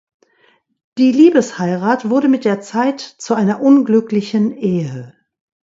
Die Liebesheirat wurde mit der Zeit zu einer unglücklichen Ehe.